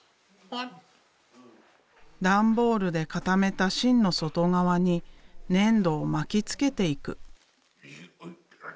段ボールで固めた芯の外側に粘土を巻きつけていく。